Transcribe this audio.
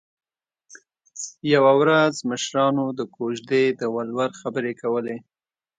یوه ورځ مشرانو د کوژدې د ولور خبرې کولې